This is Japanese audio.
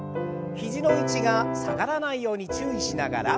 肘の位置が下がらないように注意しながら。